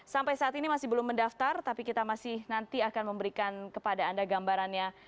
sampai saat ini masih belum mendaftar tapi kita masih nanti akan memberikan kepada anda gambarannya